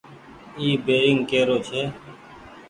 اي بيرينگ ڪي رو ڇي ۔